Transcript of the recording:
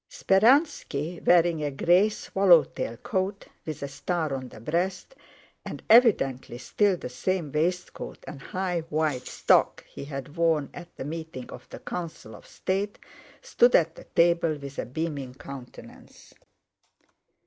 Speránski, wearing a gray swallow tail coat with a star on the breast, and evidently still the same waistcoat and high white stock he had worn at the meeting of the Council of State, stood at the table with a beaming countenance.